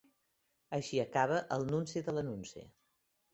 Així acaba el nunci de l'anunci.